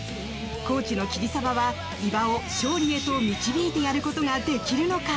コーチの桐沢は、伊庭を勝利へと導いてやることができるのか？